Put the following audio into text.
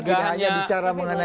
tidak hanya bicara mengenai